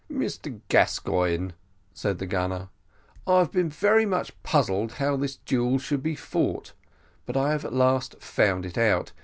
"Mr Gascoigne," said the gunner, "I have been very much puzzled how this duel should be fought, but I have at last found it out.